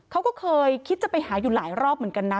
เขาก็เคยคิดจะไปหาอยู่หลายรอบเหมือนกันนะ